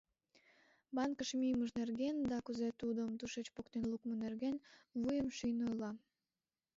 Банкыш мийымыж нерген да кузе тудым тушеч поктен лукмо нерген вуйым шийын ойла.